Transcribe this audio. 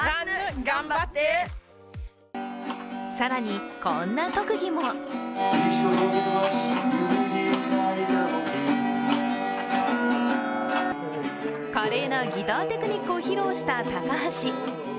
更に、こんな特技も華麗なギターテクニックを披露した高橋。